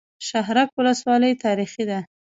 شهرک ولسوالۍ تاریخي ده؟